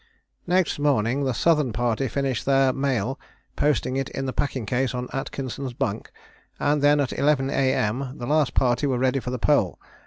"Next morning the Southern Party finished their mail, posting it in the packing case on Atkinson's bunk, and then at 11 A.M. the last party were ready for the Pole.